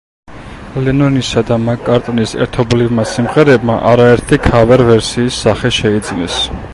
ლენონისა და მაკ-კარტნის ერთობლივმა სიმღერებმა არაერთი ქავერ-ვერსიის სახე შეიძინეს.